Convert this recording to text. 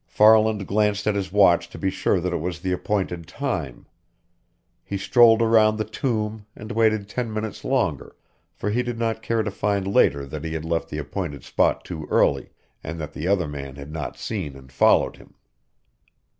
Farland glanced at his watch to be sure that it was the appointed time. He strolled around the Tomb and waited ten minutes longer, for he did not care to find later that he had left the appointed spot too early and that the other man had not seen and followed him.